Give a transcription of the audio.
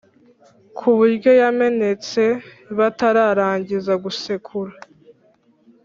ku buryo yamenetse batararangiza gusekura